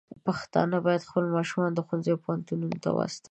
پښتانه بايد خپل ماشومان ښوونځي او پوهنتونونو ته واستوي.